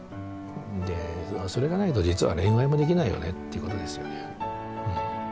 でそれがないと実は恋愛もできないよねっていうことですよね。